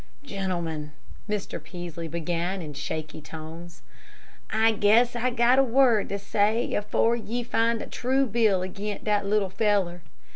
"Gentlemen," Mr. Peaslee began, in shaky tones, "I guess I got a word to say afore ye find a true bill agin that little feller.